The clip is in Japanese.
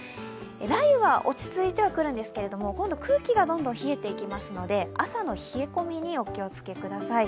雷雨は落ち着いてはくるんですけれども、今度は空気がどんどん冷えていきますので朝の冷え込みにお気をつけください。